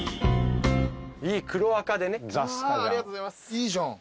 いいじゃん。